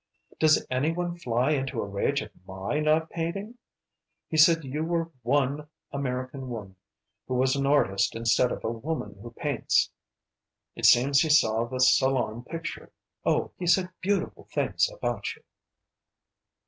Does any one fly into a rage at my not painting? He said you were one American woman who was an artist instead of 'a woman who paints.' It seems he saw the Salon picture. Oh, he said beautiful things about you."